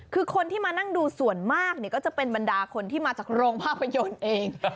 คือคนที่มาดูส่วนมากเนี่ยก็จะเป็นบรรดาคนมาจากรองภาพยนตร์เอง